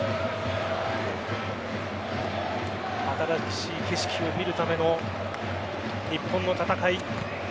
新しい景色を見るための日本の戦い。